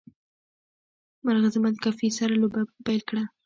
مرغه زما د کافي سره لوبه پیل کړه.